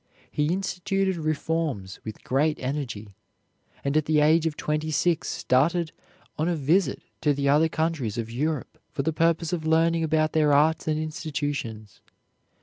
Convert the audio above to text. He instituted reforms with great energy, and at the age of twenty six started on a visit to the other countries of Europe for the purpose of learning about their arts and institutions.